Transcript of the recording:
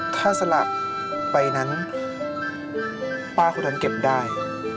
ถ้าสละไปนั้นป้าคนนั้นเก็บได้